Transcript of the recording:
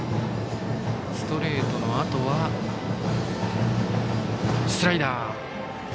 ストレートのあとはスライダー。